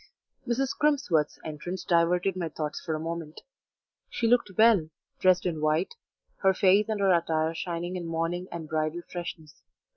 Mrs. Crimsworth's entrance diverted my thoughts for a moment. She looked well, dressed in white, her face and her attire shining in morning and bridal freshness.